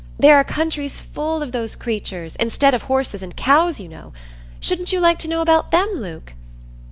There are countries full of those creatures, instead of horses and cows, you know. Shouldn't you like to know about them, Luke?"